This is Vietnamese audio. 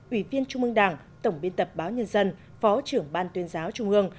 ủy viên trung ương đảng tổng biên tập báo nhân dân phó trưởng ban tuyên giáo trung ương